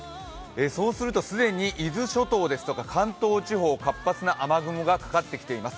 そうすると既に伊豆諸島ですとか関東地方活発な雨雲がかかってきています。